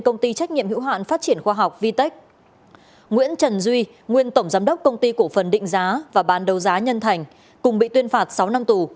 nguyễn trần duy nguyên tổng giám đốc công ty cổ phần định giá và ban đầu giá nhân thành cùng bị tuyên phạt sáu năm tù